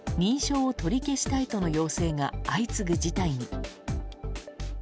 状況に認証を取り消したいとの要請が相次ぐ事態に。